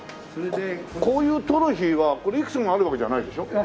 こういうトロフィーはこれいくつもあるわけじゃないでしょ？